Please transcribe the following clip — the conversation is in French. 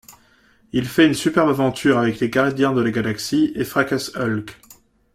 Il fait une superbe aventure avec les gardiens de la galaxie et fracasse Hulk.